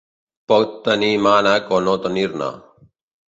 Pot tenir mànec o no tenir-ne.